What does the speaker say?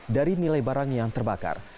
dari nilai barang yang terbakar